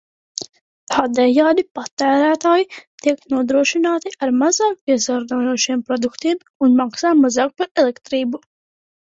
Tādējādi patērētāji tiek nodrošināti ar mazāk piesārņojošiem produktiem un maksā mazāk par elektrību.